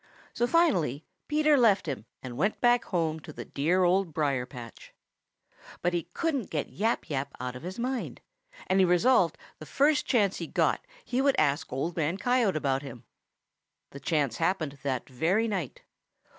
So finally Peter left him and went back home to the dear Old Briar patch. But he couldn't get Yap Yap out of his mind, and he resolved that the first chance he got he would ask Old Man Coyote about him. The chance came that very night.